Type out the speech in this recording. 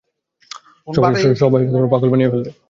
সবাই পাগল বানিয়ে ফেলবে।